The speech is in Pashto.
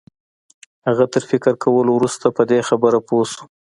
هغه تر فکر کولو وروسته په یوه خبره پوه شو